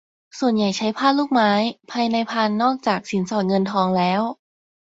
ส่วนใหญ่ใช้ผ้าลูกไม้ ภายในพานนอกจากสินสอดเงินทองแล้ว